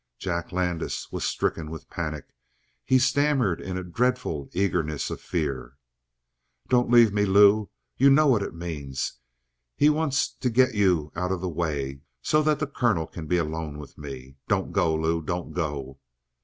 Jack Landis was stricken with panic: he stammered in a dreadful eagerness of fear. "Don't leave me, Lou. You know what it means. He wants to get you out of the way so that the colonel can be alone with me. Don't go, Lou! Don't go!"